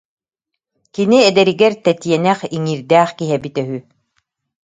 Кини эдэригэр тэтиэнэх, иҥиирдээх киһи эбитэ үһү